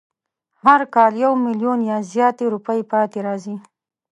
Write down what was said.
هر کال یو میلیونه یا زیاتې روپۍ پاتې راځي.